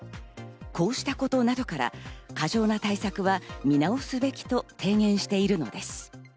こうしたことなどから過剰な対策は見直すべきと提言しているのです。